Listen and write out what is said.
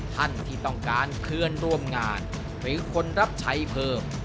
ท่านที่ต้องการเพื่อนร่วมงานหรือคนรับใช้เพิ่ม